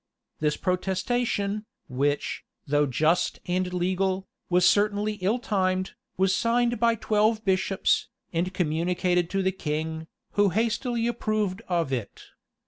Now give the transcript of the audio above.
This protestation, which, though just and legal, was certainly ill timed, was signed by twelve bishops, and communicated to the king, who hastily approved of it.